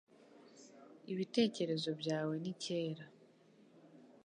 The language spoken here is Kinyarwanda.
Ibitekerezo byawe ni kera.